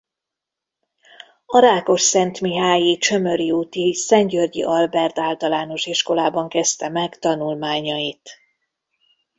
A rákosszentmihályi Csömöri úti Szent-Györgyi Albert Általános Iskolában kezdte meg tanulmányait.